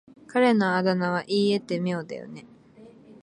彼のあだ名は言い得て妙だよね。